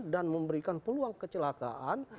dan memberikan peluang kecelakaan